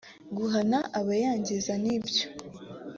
guhana abayangiza nibyo